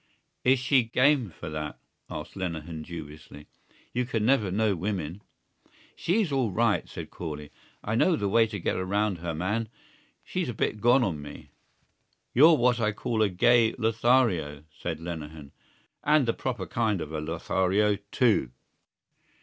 "Is she game for that?" asked Lenehan dubiously. "You can never know women." "She's all right," said Corley. "I know the way to get around her, man. She's a bit gone on me." "You're what I call a gay Lothario," said Lenehan. "And the proper kind of a Lothario, too!"